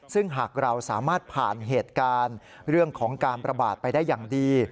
ซึ่งหากเราสามารถผ่านเหตุการณ์เรื่องของการประบาดไปได้อย่างดี